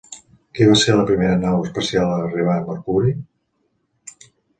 Quina va ser la primera nau espacial a arribar a Mercuri?